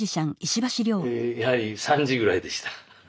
やはり３時ぐらいでした。